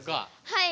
はい。